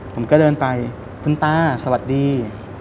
ผมก็เดินไปคุณตาสวัสดี